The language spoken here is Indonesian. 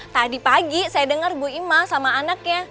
tadi pagi saya dengar bu ima sama anaknya